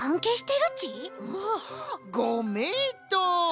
ごめいとう！